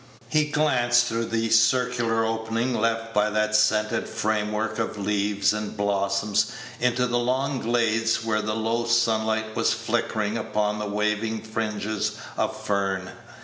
He glanced through the circular opening left by that scented frame work of leaves and blossoms into the long glades, where the low sunlight was flickering upon waving fringes of fern.